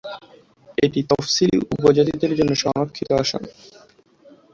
এটি তফসিলী উপজাতিদের জন্য সংরক্ষিত আসন।